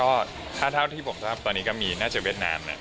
ก็ท่าเท่าที่ผมต้องทำตอนนี้ก็มีน่าจะเวียดนามน่ะ